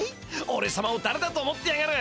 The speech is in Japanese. おれさまをだれだと思ってやがる！